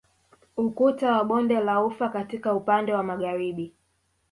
Ukuta wa bonde la ufa katika upande wa Magharibi